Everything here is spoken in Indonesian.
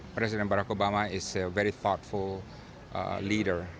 presiden barack obama adalah seorang pemimpin yang sangat berpikir